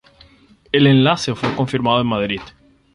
El enlace fue confirmado en Madrid.